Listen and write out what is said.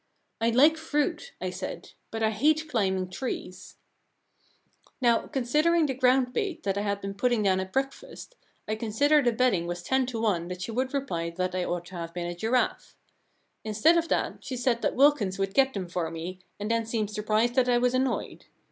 *" I Hke fruit," I said, " but I hate climb ing trees." I J The Problem Club * Now, considering the ground bait that I had been putting down at breakfast, I consider the betting was ten to one that she would reply that I ought to have been a giraffe. Instead of that, she said that Wilkins would get them for me, and then seemed surprised that I was annoyed.